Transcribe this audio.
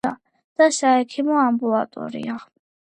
და საექიმო ამბულატორია.